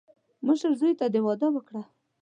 مشر زوی ته دې واده وکړه.